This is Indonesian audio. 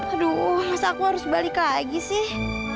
aduh mas aku harus balik lagi sih